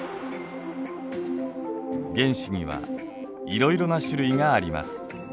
原子にはいろいろな種類があります。